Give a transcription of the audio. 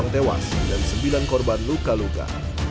membuat dua belas penumpang tewas dan sembilan korban luka luka